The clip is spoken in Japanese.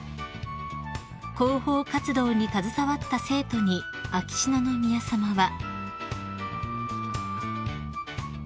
［広報活動に携わった生徒に秋篠宮さまは］